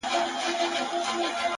موږ ته تر سهاره چپه خوله ناست وي ـ